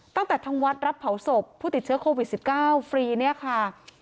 ทางวัดรับเผาศพผู้ติดเชื้อโควิด๑๙ฟรีเนี่ยค่ะ